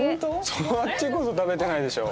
そっちこそ食べてないでしょ。